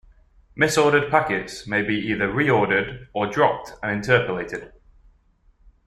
Misordered packets may be either reordered or dropped and interpolated.